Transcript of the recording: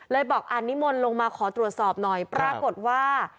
บอกอ่านนิมนต์ลงมาขอตรวจสอบหน่อยปรากฏว่า